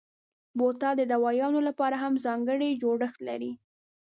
بوتل د دوایانو لپاره هم ځانګړی جوړښت لري.